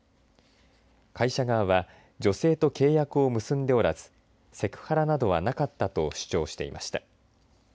会社側は女性と契約を結んでおらずセクハラなどはなかったと主張していました。